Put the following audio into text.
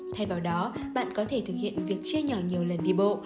thay vào đó bạn có thể thực hiện việc chia nhỏ nhiều lần đi bộ